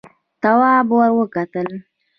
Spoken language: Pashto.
تواب ور وکتل: